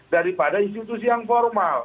daripada institusi yang formal